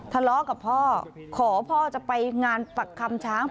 ทะเลาะกับพ่อขอพ่อจะไปงานปักคำช้าง